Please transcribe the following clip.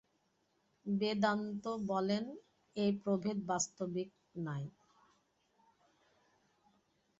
বেদান্ত বলেন, এই প্রভেদ বাস্তবিক নাই।